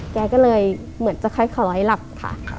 แกก็เลยเหมือนจะค่อยหลับค่ะ